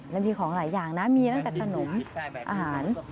แล้วมีของหลายอย่างนะมีตั้งแต่ขนมอาหาร